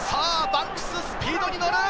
バンクススピードに乗る！